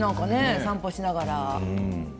散歩しながら。